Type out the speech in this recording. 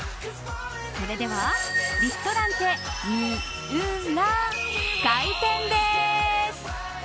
それではリストランテＭＩＵＲＡ開店です。